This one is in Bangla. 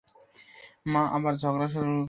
মা আর বাবার ঝগড়া হয়েছে।